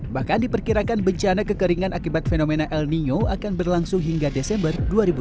bahkan diperkirakan bencana kekeringan akibat fenomena el nino akan berlangsung hingga desember dua ribu dua puluh